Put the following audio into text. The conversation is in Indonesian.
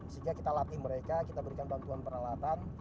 sehingga kita latih mereka kita berikan bantuan peralatan